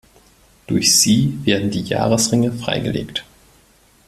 Durch sie werden die Jahresringe freigelegt.